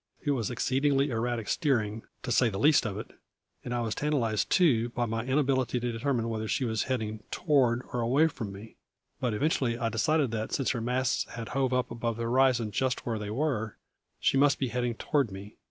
It was exceedingly erratic steering, to say the least of it, and I was tantalised too by my inability to determine whether she was heading toward or away from me; but eventually I decided that, since her masts had hove up above the horizon just where they were, she must be heading toward me.